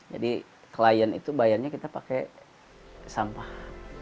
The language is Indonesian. jadi klien itu bayarnya kita pakai sampah